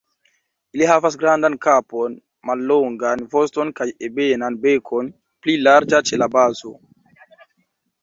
Ili havas grandan kapon, mallongan voston kaj ebenan bekon, pli larĝa ĉe la bazo.